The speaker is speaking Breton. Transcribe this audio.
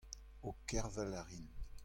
Ho kervel a rin.